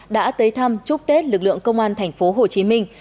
đã tới thăm chúc tết lực lượng công an thành phố hồ chí minh